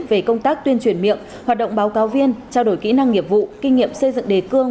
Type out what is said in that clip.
về công tác tuyên truyền miệng hoạt động báo cáo viên trao đổi kỹ năng nghiệp vụ kinh nghiệm xây dựng đề cương